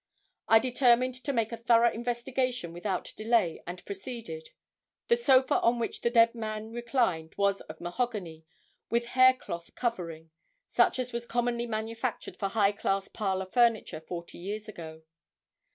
I determined to make a thorough investigation without delay and proceeded. The sofa upon which the dead man reclined was of mahogany with hair cloth covering, such as was commonly manufactured for high class parlor furniture forty years ago.